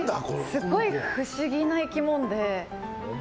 すごい不思議な生き物で。